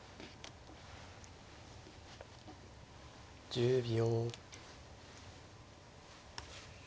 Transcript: １０秒。